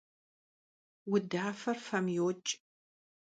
Vudafer fem yoç'.